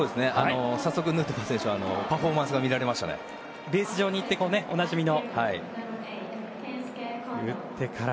早速ヌートバー選手のパフォーマンスがベース上に行っておなじみのポーズを。